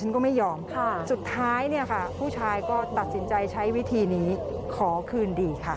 ฉันก็ไม่ยอมสุดท้ายเนี่ยค่ะผู้ชายก็ตัดสินใจใช้วิธีนี้ขอคืนดีค่ะ